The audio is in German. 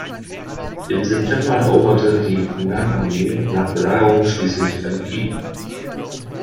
Im September eroberte die Hunan-Armee nach Belagerung schließlich Anqing.